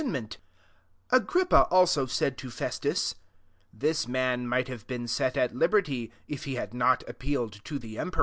32 And Agrippa said to Festus, "This man might bssfe been set at liberty, if he bad not appealed to Caesar.'